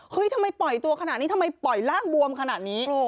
ทำไมปล่อยตัวขนาดนี้ทำไมปล่อยร่างบวมขนาดนี้